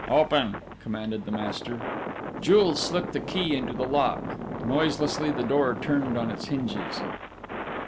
"Open," commanded the master. Jules slipped a key into the lock: noiselessly the door turned on its hinges.